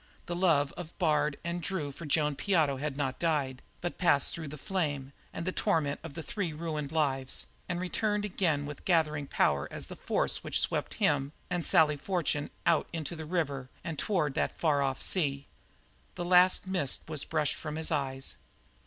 The love of Bard and Drew for Joan Piotto had not died, but passed through the flame and the torment of the three ruined lives and returned again with gathering power as the force which swept him and Sally Fortune out into that river and toward that far off sea. The last mist was brushed from his eyes.